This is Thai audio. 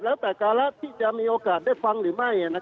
แล้วแต่การะที่จะมีโอกาสได้ฟังหรือไม่